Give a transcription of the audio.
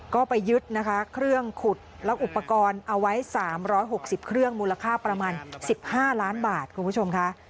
ก็ไปยึดนะคะเครื่องขุดและอุปกรณ์เอาไว้๓๖๐เครื่องมูลค่าประมาณ๑๕ล้านบาทคุณผู้ชมค่ะ